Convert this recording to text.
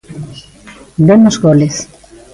Vemos goles.